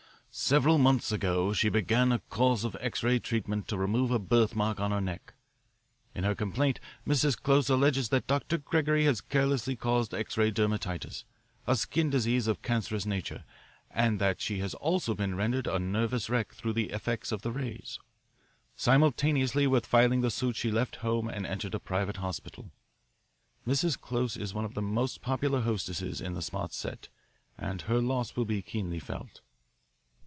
Several months ago she began a course of X ray treatment to remove a birthmark on her neck. In her complaint Mrs. Close alleges that Dr. Gregory has carelessly caused X ray dermatitis, a skin disease of cancerous nature, and that she has also been rendered a nervous wreck through the effects of the rays. Simultaneously with filing the suit she left home and entered a private hospital. Mrs. Close is one of the most popular hostesses in the smart set, and her loss will be keenly felt."